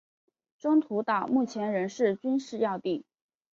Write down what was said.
中途岛目前仍是军事要地。